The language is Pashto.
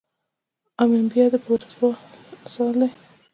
امیبا د پروټوزوا مثال دی